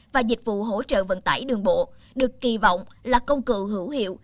và dịch vụ hỗ trợ vận tải đường bộ được kỳ vọng là công cựu hữu hiệu